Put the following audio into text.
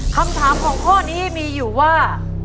คำถามของข้อนี้มีอยู่ว่า